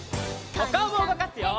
おかおもうごかすよ！